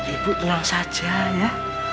ibu tenang saja ya